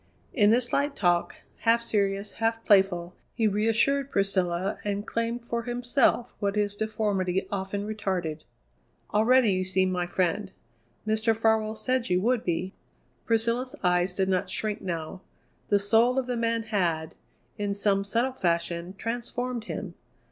In this light talk, half serious, half playful, he reassured Priscilla and claimed for himself what his deformity often retarded. "Already you seem my friend. Mr. Farwell said you would be." Priscilla's eyes did not shrink now. The soul of the man had, in some subtle fashion, transformed him.